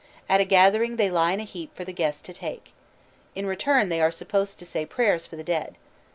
At a gathering they lie in a heap for the guests to take. In return they are supposed to say prayers for the dead.